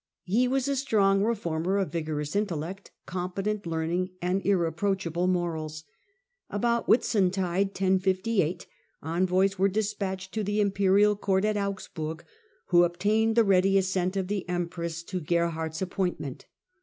He was a strong reformer, of vigorous intellect, competent learning, and irreproachable morals. About Whitsuntide (1058), envoys were despatched to the im perial court at Augsburg, who obtained the ready assent of the empress to Gerhard's appointment.